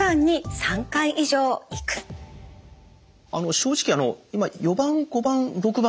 正直４番５番６番